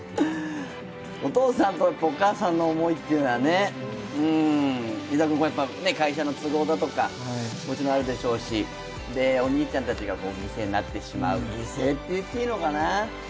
お父さんとお母さんの思いっていうのはね、伊沢君、会社の都合だとかもちろんあるでしょうしお兄ちゃんたちが犠牲になってしまう犠牲と言っていいのかな？